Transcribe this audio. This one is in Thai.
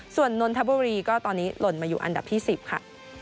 ส่วนนนทบุรีก็ตอนนี้หล่นมาอยู่อันดับที่๑๐ค่ะ